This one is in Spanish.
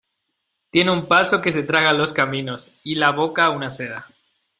tiene un paso que se traga los caminos, y la boca una seda.